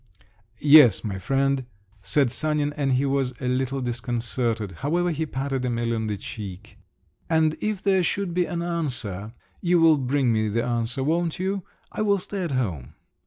"Yes, my friend," said Sanin and he was a little disconcerted; however, he patted Emil on the cheek…. "And if there should be an answer…. You will bring me the answer, won't you? I will stay at home."